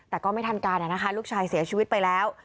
แต่ก็ไม่ทันการนะคะลูกชายเสียชีวิตไปแล้ว